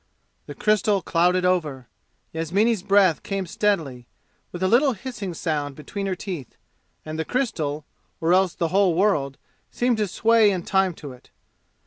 The crystal clouded over. Yasmini's breath came steadily, with a little hissing sound between her teeth, and the crystal, or else the whole world, seemed to sway in time to it.